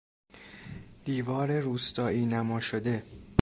دیوار روستایینما شده